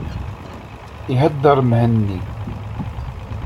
Iheddeṛ Mhenni.